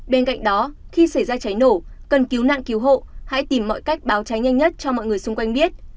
bên cạnh đó khi xảy ra cháy nổ cần cứu nạn cứu hộ hãy tìm mọi cách báo cháy nhanh nhất cho mọi người xung quanh biết